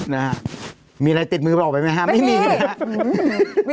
นะฮะมีอะไรติดมือบอกไปไหมฮะไม่มีนะครับ